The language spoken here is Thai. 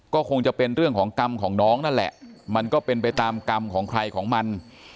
ก็คงจะเป็นเรื่องของกรรมของน้องนั่นแหละมันก็เป็นไปตามกรรมของใครของมัน